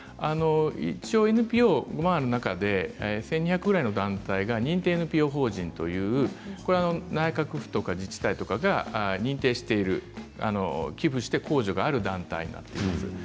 一応、ＮＰＯの中で１２００ぐらいの団体が認定のＮＰＯ法人という内閣府とか自治体とかが認定している寄付して控除がある団体があります。